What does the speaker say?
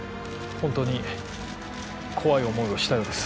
本当に怖い思いをしたようです。